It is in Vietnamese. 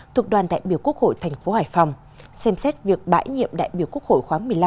thuộc đoàn đại biểu quốc hội thành phố hải phòng xem xét việc bãi nhiệm đại biểu quốc hội khóa một mươi năm